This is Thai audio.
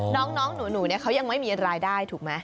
น้องหนูเนี่ยเขายังไม่มีรายได้ถูกไหม